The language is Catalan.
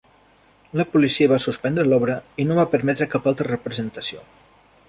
La policia va suspendre l'obra i no va permetre cap altra representació.